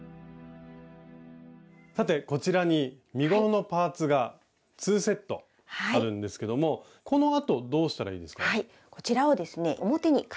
さてこちらに身ごろのパーツが２セットあるんですけどもこのあとどうしたらいいですか？